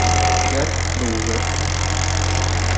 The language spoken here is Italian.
Get Closer